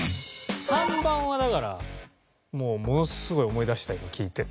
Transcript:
３番はだからものすごい思い出した今聞いて。